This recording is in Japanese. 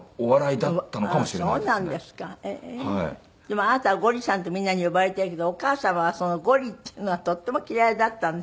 でもあなたはゴリさんとみんなに呼ばれているけどお母様はゴリっていうのがとっても嫌いだったんですって？